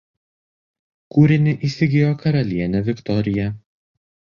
Kūrinį įsigijo karalienė Viktorija.